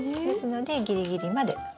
ですのでギリギリまで。